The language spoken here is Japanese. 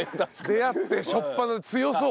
出会って初っぱな「強そう」。